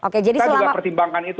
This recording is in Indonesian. kita juga pertimbangkan itu